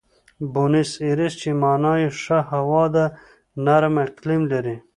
بونیس ایرس چې مانا یې ښه هوا ده، نرم اقلیم لري.